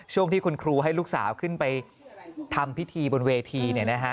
ช่วงที่คุณครูให้ลูกสาวขึ้นไปทำพิธีบนเวที